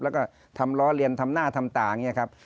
แล้วก็ทำล้อเลียนทำหน้าทำตาอย่างนี้ครับ